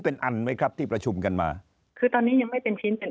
เป็นอันไหมครับที่ประชุมกันมาคือตอนนี้ยังไม่เป็นชิ้นเป็น